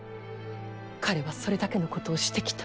彼はそれだけのことをしてきた。